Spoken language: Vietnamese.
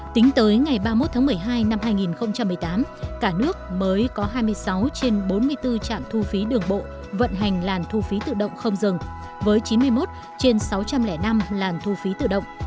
tính tới ngày ba mươi một tháng một mươi hai năm hai nghìn một mươi tám cả nước mới có hai mươi sáu trên bốn mươi bốn trạm thu phí đường bộ vận hành làn thu phí tự động không dừng với chín mươi một trên sáu trăm linh năm làn thu phí tự động